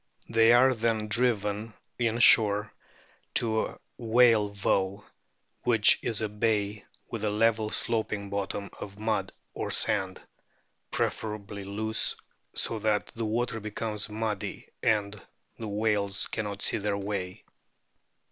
They are then driven in shore to a whale voe, which is a bay with a level sloping bottom of mud or sand, preferably loose, so that the water becomes muddy and the whales cannot see their way.